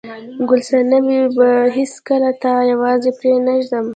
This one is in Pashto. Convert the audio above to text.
ګل صنمې، زه به هیڅکله تا یوازې پرېنږدم.